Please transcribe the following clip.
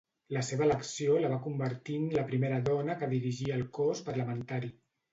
La seva elecció la va convertir en la primera dona que dirigia el cos parlamentari.